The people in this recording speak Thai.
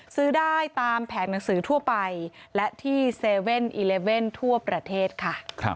ซื้อได้ตามแผงหนังสือทั่วไปและที่๗๑๑ทั่วประเทศค่ะ